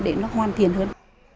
để nó hoàn thiện hơn